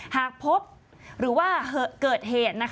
หากพบหรือว่าเกิดเหตุ